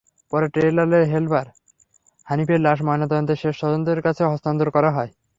পরে ট্রেলারের হেলপার হানিফের লাশ ময়নাতদন্ত শেষে স্বজনদের কাছে হস্তান্তর করা হয়।